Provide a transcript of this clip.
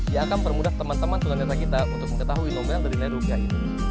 ia akan memudah teman teman tuntunan kita untuk mengetahui nomor yang terdiri dari rupiah ini